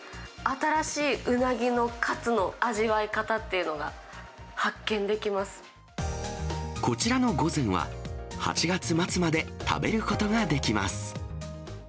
新しいうなぎのカツの味わい方っこちらの御膳は、８月末まで食べることができます。